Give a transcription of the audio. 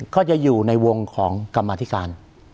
ก็จะอยู่ในวงของกรรมธิการ